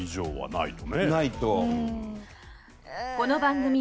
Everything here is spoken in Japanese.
ないと。